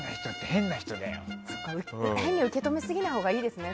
変に受け止めないほうがいいですね。